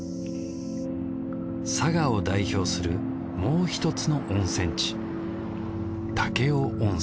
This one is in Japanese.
佐賀を代表するもう一つの温泉地武雄温泉。